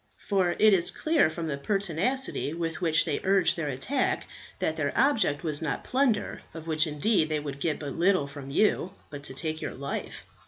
For it is clear from the pertinacity with which they urged their attack that their object was not plunder, of which indeed they would get but little from you, but to take your life."